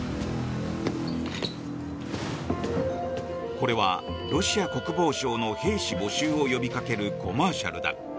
これは、ロシア国防省の兵士募集を呼びかけるコマーシャルだ。